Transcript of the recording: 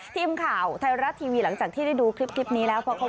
ทีมข่าวไทยรัฐทีวีหลังจากที่ได้ดูคลิปนี้แล้ว